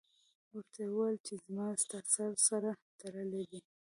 ورته یې وویل چې زما او ستا سر سره تړلی دی.